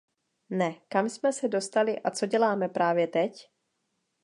Ne, kam jsme se dostali a co děláme právě teď?